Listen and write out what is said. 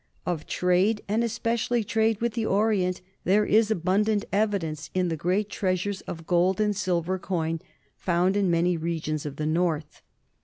Of trade, and especially trade with the Orient, there is abundant evidence in the great treasures of gold and silver coin found in many regions of the north.